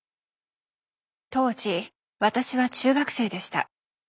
当時私は中学生でした。